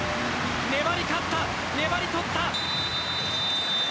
粘り勝った、粘り取った。